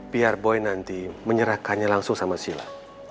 biar boy nanti menyerahkannya langsung sama sila